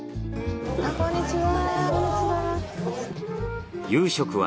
あっこんにちは。